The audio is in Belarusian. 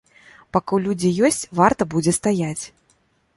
Пакуль людзі ёсць, варта будзе стаяць.